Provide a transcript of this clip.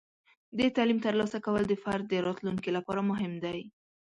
د تعلیم ترلاسه کول د فرد د راتلونکي لپاره مهم دی.